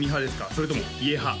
それとも家派？